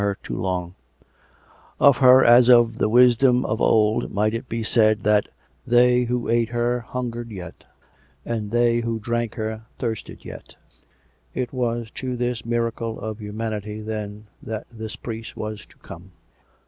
her too long; of her as of the Wisdom of old might it be said that, " They who ate her hungered yet, and they who drank her thirsted yet." ... It was to this miracle of humanity, then, that this priest was to come.